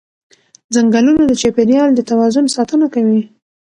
ځنګلونه د چاپېریال د توازن ساتنه کوي